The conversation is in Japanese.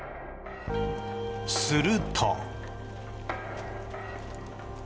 すると。